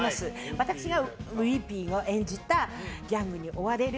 私がウーピーを演じたギャングに追われる。